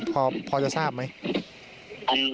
ไอ้พี่เอาบนหัวนี้น้องตกรถ